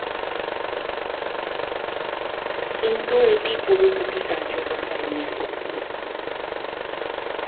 কিন্ত এটি পুরোপুরি কার্যকর হয়নি।